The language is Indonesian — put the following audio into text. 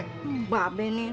mbak be nih